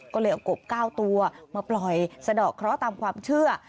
ก็เลยเอากบ๙ตัวมาปล่อยสะดอกเคราะห์ตามความเชื่อ